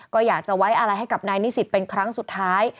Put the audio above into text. ก็อยากจะไว้อะไรให้กับนายนิสิตเป็นครั้งสุดท้าย